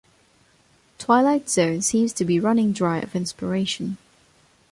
"Twilight Zone" seems to be running dry of inspiration.